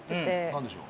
何でしょう？